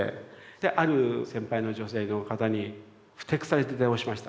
ある先輩の女性の方にふてくされて電話しました。